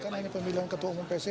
karena ini pemilihan ketua umum pcc